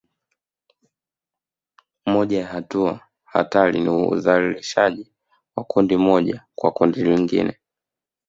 Moja ya hatua hatari ni udhalilishaji wa kundi moja kwa kundi lingine